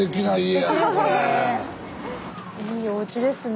いいおうちですね。